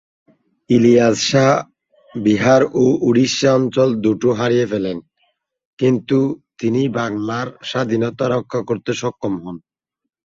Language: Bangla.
ইলিয়াস শাহ বিহার ও উড়িষ্যা অঞ্চল দুটো হারিয়ে ফেলেন কিন্তু তিনি বাংলার স্বাধীনতা রক্ষা করতে সক্ষম হন।